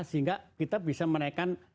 sehingga kita bisa menaikkan